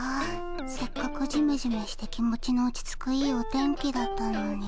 せっかくジメジメして気持ちの落ち着くいいお天気だったのに。